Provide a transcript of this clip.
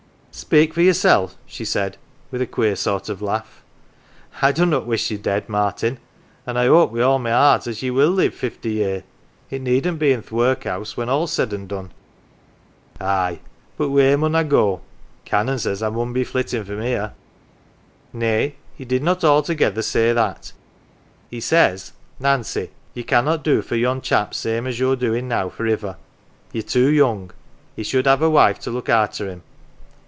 99 NANCY " Speak for yoursel'," she said, with a queer sort of laugh ;" I dunnot wish ye dead, Martin, an 1 I hope wi' all my heart as ye will live fifty year. It needn't be in th' workhouse when all's said an 1 done."" " Aye, but wheer mun I go ? Canon says I mun be flitting from here "" Nay, he did not altogether say that. He says :' Nancy, ye can't do for yon chap same as you're doin' now, for iver. Ye're too young. He should have a wife to look arter him.'